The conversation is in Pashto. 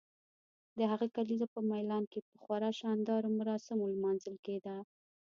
د هغه کلیزه په میلان کې په خورا شاندارو مراسمو لمانځل کیده.